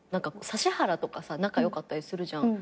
指原とかさ仲良かったりするじゃん。